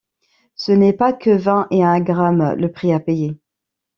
Ce n’est pas que vingt et un grammes, le prix à payer.